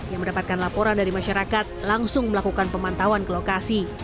yang mendapatkan laporan dari masyarakat langsung melakukan pemantauan ke lokasi